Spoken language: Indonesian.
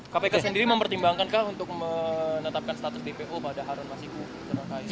kpk sendiri mempertimbangkankah untuk menetapkan status dpo pada harun masiku